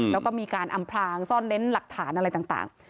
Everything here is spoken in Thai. แล้วก็มีการอำพลางซ่อนเล้นหลักฐานอะไรต่าง